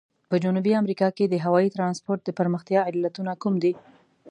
په جنوبي امریکا کې د هوایي ترانسپورت د پرمختیا علتونه کوم دي؟